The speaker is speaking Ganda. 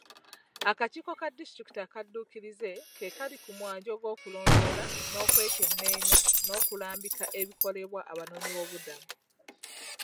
Akakiiko ka disitulikiti akadduukirize ke kali ku mwanjo gw'okulondoola n'okwekenneenya n'okulambika ebikolebwa abanoonyiboobubudamu.